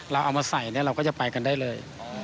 เราเอามาใส่เราก็จะไปกันได้เลย